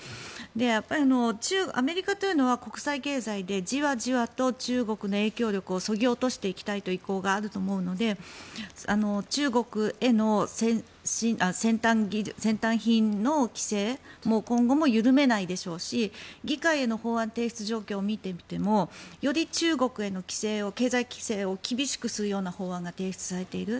やっぱりアメリカは国際経済でじわじわと中国の影響力をそぎ落としていきたいという意向があると思うので中国への先端品の規制も今後も緩めないでしょうし議会への法案提出状況を見てもより中国への経済規制を厳しくするような法案が提出されている。